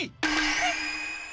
えっ？